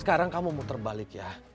sekarang kamu muter balik ya